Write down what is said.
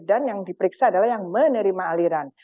dan yang diperiksa adalah yang menerima aliran